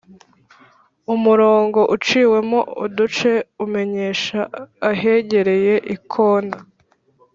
Umurongo uciyemo uduce umenyesha ahegereye ikona